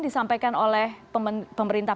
disampaikan oleh pemerintah